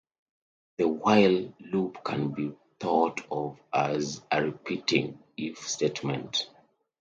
The "while" loop can be thought of as a repeating if statement.